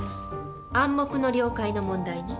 「暗黙の了解」の問題ね。